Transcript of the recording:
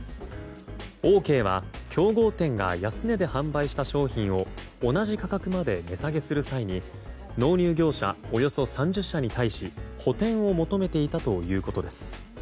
オーケーは競合店が安値で販売した商品を同じ価格まで値下げする際に納入業者、およそ３０社に対し補填を求めていたということです。